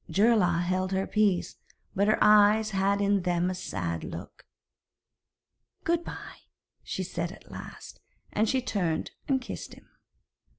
Geirlaug held her peace, but her eyes had in them a sad look. 'Good bye,' she said at last, and she turned and kissed him.